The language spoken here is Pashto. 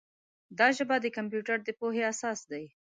دا ژبه د کمپیوټر د پوهې اساس دی.